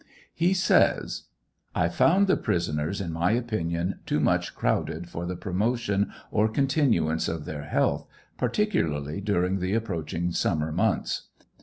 He says : I found the prisoners, in my opinion, too much crowded for the promotion or continuance of their health, particularly during the approaching summer months.